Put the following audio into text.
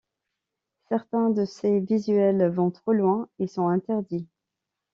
Certains de ces visuels vont trop loin et sont interdits.